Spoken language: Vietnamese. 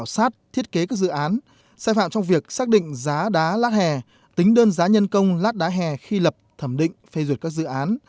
sai phạm trong việc xác định giá đá lát hè tính đơn giá nhân công lát đá hè khi lập thẩm định phê ruột các dự án